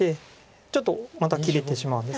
ちょっとまた切れてしまうんです。